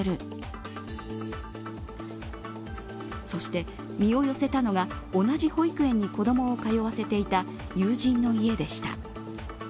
そして、身を寄せたのが同じ保育園に子供を通わせていた友人の家でした。